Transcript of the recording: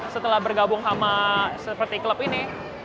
setelah bergabung sama seperti klub ini